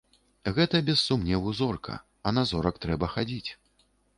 Гэта, без сумневу, зорка, а на зорак трэба хадзіць.